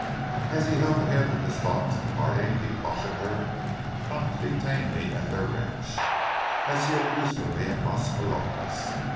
As he held the hand of Miss Vaux in parting, he cautioned her not to detain me at their ranch, as he had use for me at Las Palomas.